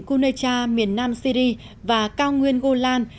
cunecha miền nam syri và cao nguyên golan